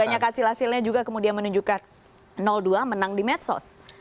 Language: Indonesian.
banyak hasil hasilnya juga kemudian menunjukkan dua menang di medsos